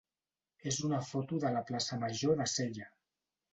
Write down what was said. és una foto de la plaça major de Sella.